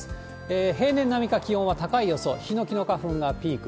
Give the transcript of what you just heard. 平年並みか高い予想、ヒノキの花粉がピーク。